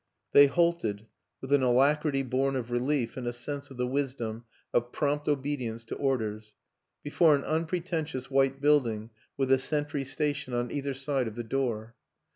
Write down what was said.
They halted with an alacrity born of relief and a sense of the wisdom of prompt obedience to or ders before an unpretentious white building with a sentry stationed on either side of the door.